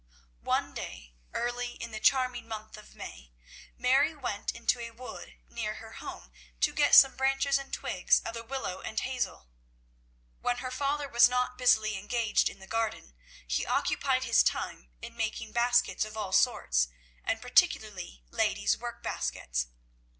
One day, early in the charming month of May, Mary went into a wood near her home to get some branches and twigs of the willow and hazel. When her father was not busily engaged in the garden, he occupied his time in making baskets of all sorts, and particularly lady's work baskets.